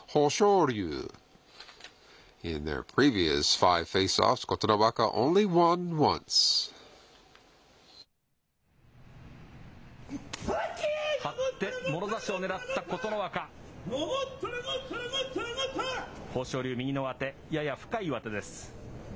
豊昇龍、右の上手、やや深い上手です。